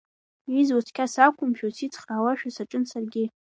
Изуа цқьа сақәымшәо, сицхраауашәа саҿын саргьы.